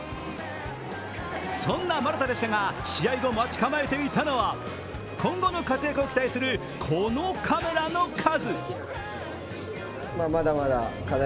そんな丸田でしたが試合後待ち構えていたのは今後の活躍を期待するこのカメラの数。